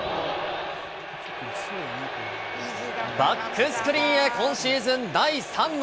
バックスクリーンへ、今シーズン第３号。